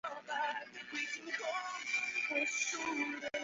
池田车站根室本线的铁路车站。